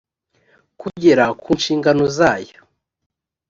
kugera ku nshingano zayo